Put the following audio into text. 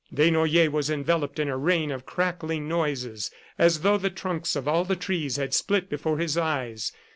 Desnoyers was enveloped in a rain of crackling noises, as though the trunks of all the trees had split before his eyes.